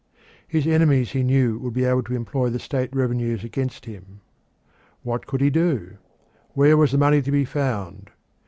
His enemies he knew would be able to employ the state revenues against him. What could he do? Where was the money to be found?